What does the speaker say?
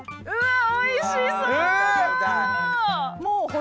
うわおいしそう！